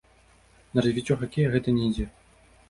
На развіццё хакея гэта не ідзе.